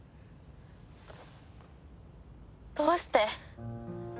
どうして？